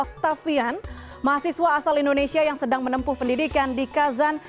oktavian mahasiswa asal indonesia yang sedang menempuh pendidikan di kazan